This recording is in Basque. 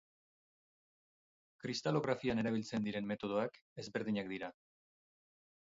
Kristalografian erabiltzen diren metodoak ezberdinak dira.